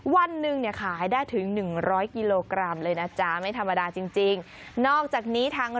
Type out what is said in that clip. วันหนึ่งขายได้ถึง๑๐๐กิโลกรัมเลยนะจ๊ะไม่ธรรมดาจริง